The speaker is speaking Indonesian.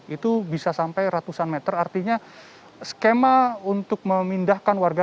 itu bisa sampai ratusan meter artinya skema untuk memindahkan warga